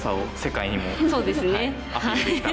そうですね。